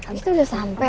abis itu udah sampe